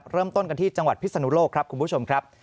เริ่มต้นกันที่จังหวัดพิศนุโลกครับคุณผู้ชมครับ